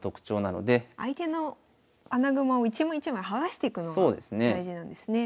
相手の穴熊を一枚一枚剥がしていくのが大事なんですね。